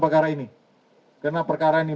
karena perkara ini